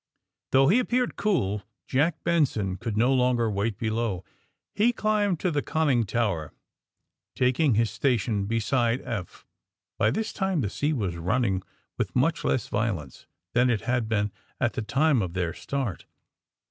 Though he appeared cool Jack Benson could no longer wait below. He climbed to the con ning tower, taking his station beside Eph. By this time the sea was running with much less violence than it had been at the time of their start.